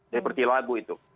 seperti lagu itu